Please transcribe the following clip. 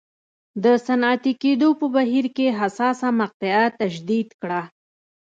د صنعتي کېدو په بهیر کې حساسه مقطعه تشدید کړه.